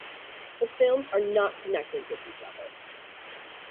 The films are not connected with each other.